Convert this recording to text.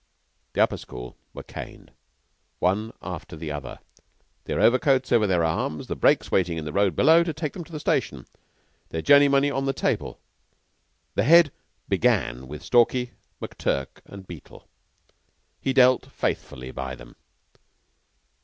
The Upper School were caned one after the other, their overcoats over their arms, the brakes waiting in the road below to take them to the station, their journey money on the table. The Head began with Stalky, McTurk, and Beetle. He dealt faithfully by them.